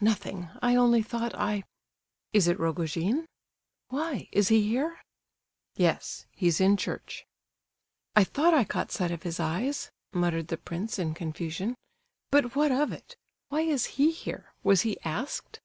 "Nothing. I only thought I—" "Is it Rogojin?" "Why—is he here?" "Yes, he's in church." "I thought I caught sight of his eyes!" muttered the prince, in confusion. "But what of it!—Why is he here? Was he asked?"